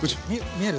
見える？